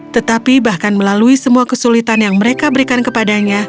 tetapi bahkan melalui semua kesulitan yang mereka berikan kepadanya